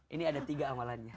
ini ada tiga amalannya